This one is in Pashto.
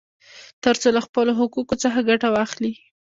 ترڅو له خپلو حقوقو څخه ګټه واخلي.